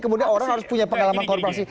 kemudian orang harus punya pengalaman korporasi